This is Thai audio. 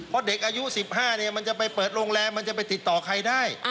เพราะเด็กอายุ๑๕มันจะไปเปิดโรงแรมมันจะไปติดต่อใครได้